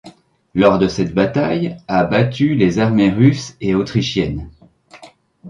Lors de cette bataille, a battu les armées russe et autrichienne.